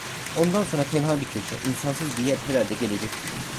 Ondan sonra tenha bir köşe, insansız bir yer herhalde gelecekti.